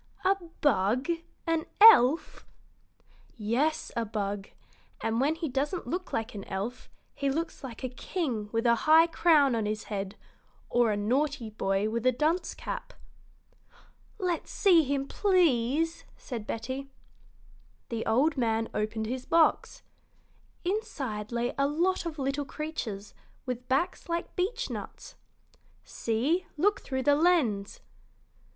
"A bug an elf?" "Yes, a bug; and when he doesn't look like an elf, he looks like a king with a high crown on his head or a naughty boy with a dunce cap." "Let's see him, please," said Betty. The old man opened his box. Inside lay a lot of little creatures with backs like beechnuts. "See, look through the lens!"